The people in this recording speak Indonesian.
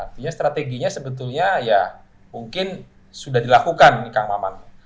artinya strateginya sebetulnya ya mungkin sudah dilakukan nih kang maman